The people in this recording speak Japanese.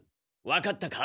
わかったか？